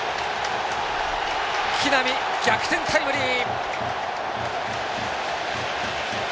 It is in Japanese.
木浪、逆転タイムリー！